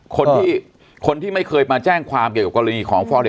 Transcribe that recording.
คนคนที่ไม่เคยมาแจ้งความเกี่ยวกับกรณีของ